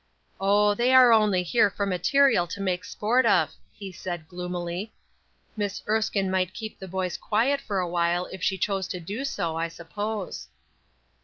"Oh, they are only here for material to make sport of," he said, gloomily; "Miss Erskine might keep the boys quiet for awhile if she chose to do so, I suppose."